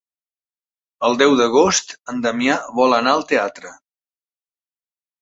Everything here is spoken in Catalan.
El deu d'agost en Damià vol anar al teatre.